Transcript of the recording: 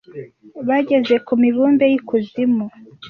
bageze ku mibumbe y’ikuzimu